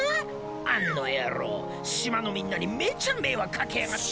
あんの野郎島のみんなにめっちゃ迷惑かけやがって。